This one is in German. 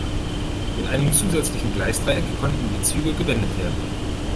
Mit einem zusätzlichen Gleisdreieck konnten die Züge gewendet werden.